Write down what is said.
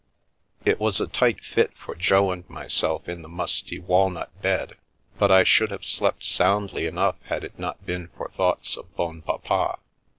It was a tight fit for Jo and myself in the musty wal nut bed, but I should have slept soundly enough had it not been for thoughts of Bonpapa.